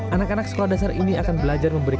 anak anak sekolah dasar ini akan belajar mengenai toleransi